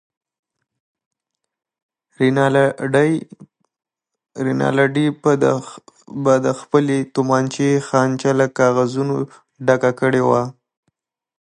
رینالډي به د خپلې تومانچې خانچه له کاغذونو ډکه کړې وه.